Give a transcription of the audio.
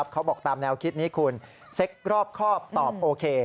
เขาบอกตามแนวคิดนี้คุณเซ็กรอบครอบตอบโอเค